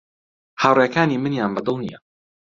هاوڕێکانی منیان بە دڵ نییە.